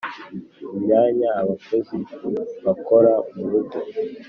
mu myanya abakozi bakora murugo